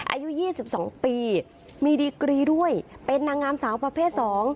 อายุ๒๒ปีมีดีกรีด้วยเป็นนางงามสาวประเภท๒